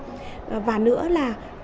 và nữa là ngoài cái việc mà khó khăn là học sinh